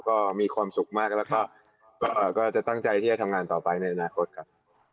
ก็มีความสุขมากแล้วก็จะตั้งใจที่จะทำงานต่อไปในอนาคตครับ